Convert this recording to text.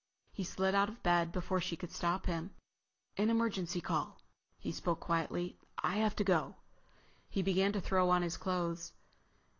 He slid out of bed before she could stop him. "An emergency call." He spoke quietly. "I have to go." He began to throw on his clothes.